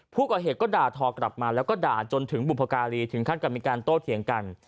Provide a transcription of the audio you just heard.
ผู้ก่อเหตุก็ด่าทอกลับมาแล้วก็ด่าจนถึงบุพการีถึงขั้นกับมีการโต้เถียงกัน